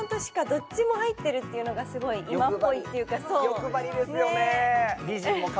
どっちも入ってるっていうのがすごい今っぽいというか欲張りですよね